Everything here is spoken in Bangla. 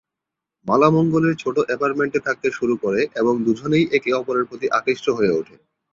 মালা মঙ্গলের ছোট অ্যাপার্টমেন্টে থাকতে শুরু করে এবং দুজনেই একে অপরের প্রতি আকৃষ্ট হয়ে ওঠে।